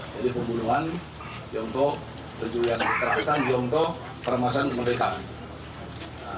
jadi pembunuhan yang terjadilah permasan pemerintahan